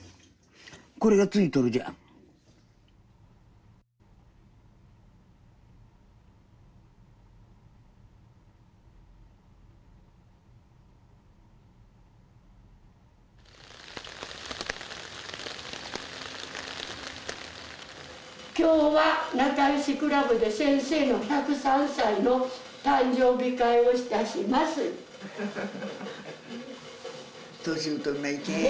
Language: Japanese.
これがついとるじゃんきょうはなかよしクラブで先生の１０３歳の誕生日会をいたします年をとるのはいけん